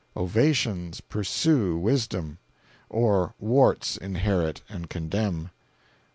Ovations pursue wisdom, or warts inherit and condemn.